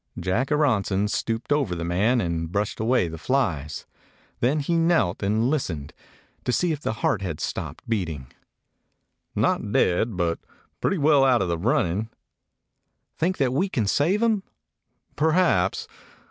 Jack Aronson stooped over the man and brushed away the flies. Then he knelt and 190 A KAFIR DOG listened, to see if the heart had stopped beating. "Not dead, but pretty well out of the run ning.' ' "Think that we can save him?" "Perhaps.